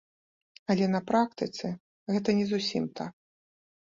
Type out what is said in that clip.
Але на практыцы гэта не зусім так.